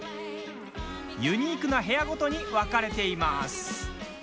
ユニークな部屋ごとに分かれています。